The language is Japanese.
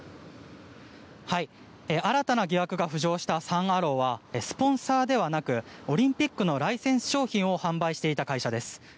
新たな疑惑が浮上したサン・アローはスポンサーではなくオリンピックのライセンス商品を販売していた会社です。